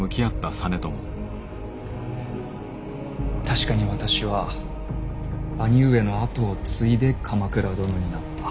確かに私は兄上の跡を継いで鎌倉殿になった。